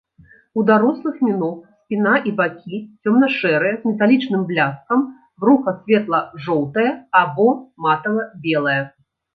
У дарослых міног спіна і бакі цёмна-шэрыя з металічным бляскам, бруха светла-жоўтае або матава-белае.